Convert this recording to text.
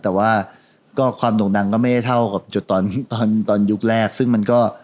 แต่ว่าก็ความโด่งดังก็ไม่ได้เท่ากับจุดตอนตอนยุคแรกซึ่งมันก็